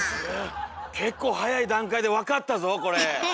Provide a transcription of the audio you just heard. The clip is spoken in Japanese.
結構早い段階で分かったぞこれ。